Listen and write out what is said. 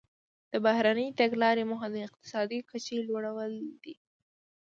د بهرنۍ تګلارې موخه د اقتصادي کچې لوړول دي